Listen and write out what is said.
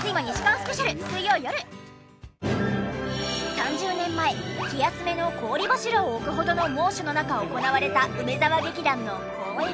３０年前気休めの氷柱を置くほどの猛暑の中行われた梅沢劇団の公演。